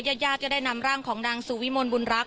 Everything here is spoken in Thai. ญาติยาดได้นำร่างของนางสุวิมนต์บุญรักษ์